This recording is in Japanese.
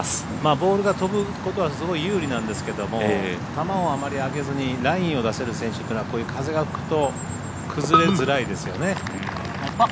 ボールが飛ぶことはすごい有利なんですけども球をあまり上げずにラインを出せる選手というのはこういう風が吹くと崩れづらいですよね。